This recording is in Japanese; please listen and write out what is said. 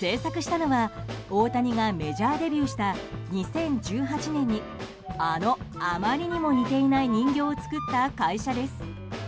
制作したのは、大谷がメジャーデビューした２０１８年にあの、あまりにも似ていない人形を作った会社です。